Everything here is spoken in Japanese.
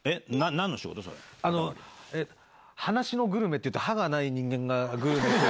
『歯無しのグルメ』っていって歯がない人間がグルメ。